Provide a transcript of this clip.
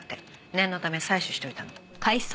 念のため採取しておいたの。